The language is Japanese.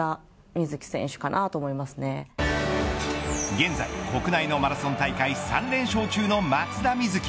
現在、国内のマラソン大会３連勝中の松田瑞生。